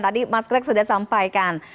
tadi mas klex sudah sampaikan